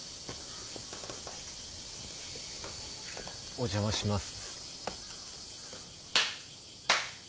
お邪魔します。